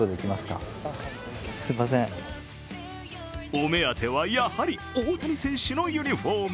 お目当てはやはり、大谷選手のユニフォーム。